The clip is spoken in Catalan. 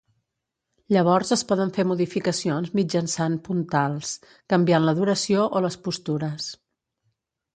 Llavors es poden fer modificacions mitjançant puntals, canviant la duració o les postures.